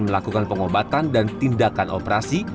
melakukan pengobatan dan tindakan operasi